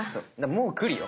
もう来るよ。